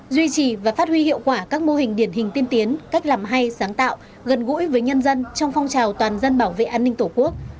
duy trì và phát huy hiệu quả các mô hình điển hình tiên tiến cách làm hay sáng tạo gần gũi với nhân dân trong phong trào toàn dân bảo vệ an ninh tổ quốc